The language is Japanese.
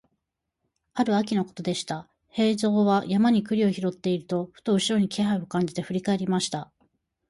ある秋のことでした、兵十は山で栗を拾っていると、ふと後ろに気配を感じて振り返りました。